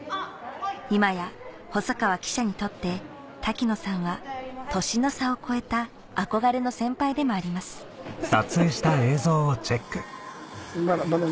今や細川記者にとって滝野さんは年の差を超えた憧れの先輩でもありますフフフ。